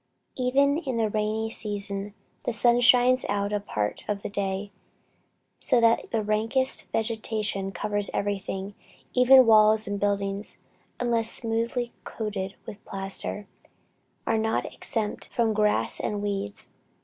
Even in the rainy season, the sun shines out a part of the day, so that the rankest vegetation covers everything; even walls and buildings, unless smoothly coated with plaster, are not exempt from grass and weeds.